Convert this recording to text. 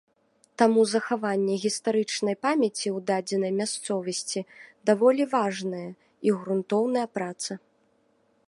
Таму захаванне гістарычнай памяці ў дадзенай мясцовасці даволі важная і грунтоўная праца.